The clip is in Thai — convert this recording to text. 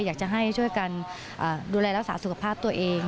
อยากจะให้ช่วยกันดูแลรักษาสุขภาพตัวเอง